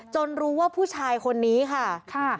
รู้ว่าผู้ชายคนนี้ค่ะ